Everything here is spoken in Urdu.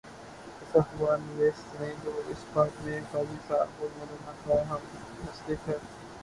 اس اخبار نویس نے جو اس باب میں قاضی صاحب اور مو لانا کا ہم مسلک ہے۔